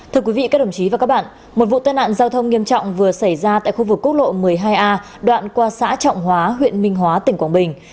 thưa quý vị các đồng chí và các bạn một vụ tai nạn giao thông nghiêm trọng vừa xảy ra tại khu vực quốc lộ một mươi hai a đoạn qua xã trọng hóa huyện minh hóa tỉnh quảng bình